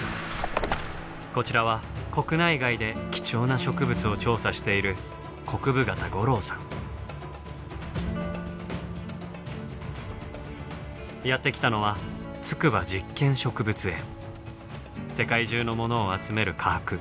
こちらは国内外で貴重な植物を調査しているやって来たのは世界中のものを集める科博。